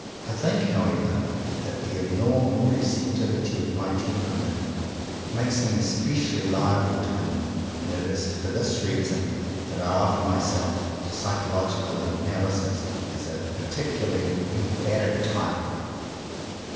I think, however, that the abnormal re ceptivity of my temperament makes me especially liable to them, and it is for this reason that I offer myself to psychological analysis as a particularly emphatic type.